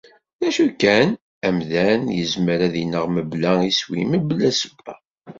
D acu kan, amdan, izmer ad ineɣ mebla iswi, mebla ssebba.